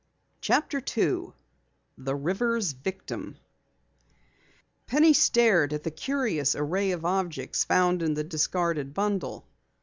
CHAPTER 2 THE RIVER'S VICTIM Penny stared at the curious array of objects found in the discarded bundle.